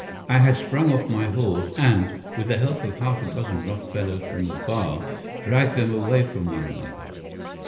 I had sprung off my horse, and, with the help of half a dozen rough fellows from the bar, dragged them away from one another.